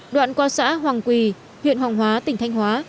đoạn qua xã hoàng quỳ huyện hoàng hóa tỉnh thanh hóa